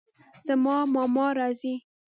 زما ماما راځي